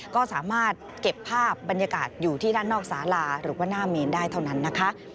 ก็สามารถเก็บภาพบรรยากาศอยู่ที่ด้านนอกสาลาหรือว่าหน้าเมนได้เท่านั้นนะคะ